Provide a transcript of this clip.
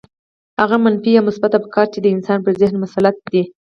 هغه منفي يا مثبت افکار چې د انسان پر ذهن مسلط دي.